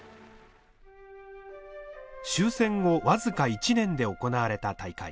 終戦後僅か１年で行われた大会。